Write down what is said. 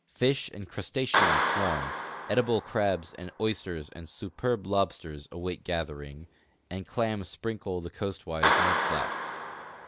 Fish and crustaceans swarm, edible crabs and oysters and superb lobsters await gathering, and clams sprinkle the coastwise mud flats.